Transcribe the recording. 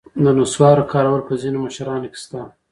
د نصوارو کارول په ځینو مشرانو کې شته.